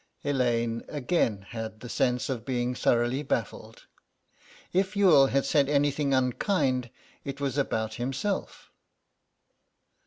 Elaine again had the sense of being thoroughly baffled. If Youghal had said anything unkind it was about himself.